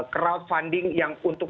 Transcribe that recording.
crowdfunding yang untuk